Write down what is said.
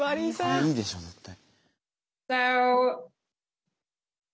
これいいでしょ絶対。